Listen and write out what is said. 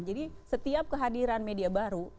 jadi setiap kehadiran media baru